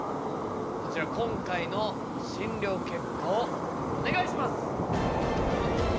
こちら今回の診りょう結果をお願いします！